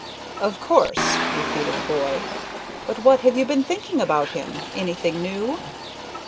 "Of course," repeated the boy, "but what have you been thinking about him anything new?"